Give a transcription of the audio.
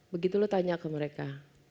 begitu lo tanya ke mereka